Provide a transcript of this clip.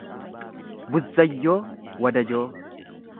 Buzzayyoo Wadajoo